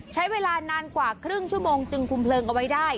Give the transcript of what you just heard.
ใช้เวลานานกว่าครึ่งชั่วโมงจึงคุมเพลิงเอาไว้ได้